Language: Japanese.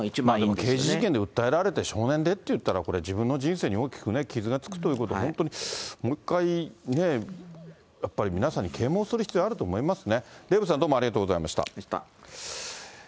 刑事事件でいわれたら、少年でっていわれたら、これ、自分の人生に大きく傷がつくということを、本当にもう一回やっぱり皆さんに啓もうする必要があると思いますね。